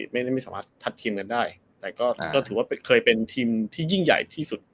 ไม่สามารถทัดทีมกันได้แต่ก็ถือว่าเคยเป็นทีมที่ยิ่งใหญ่ที่สุด